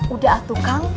udah atuh kang